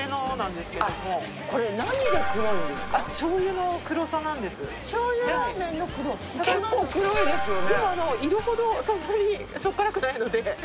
でも色ほどそんなに塩辛くないので。